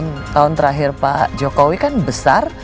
enam tahun terakhir pak jokowi kan besar